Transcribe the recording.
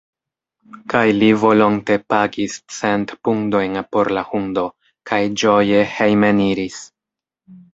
Kaj li volonte pagis cent pundojn por la hundo, kaj ĝoje hejmeniris.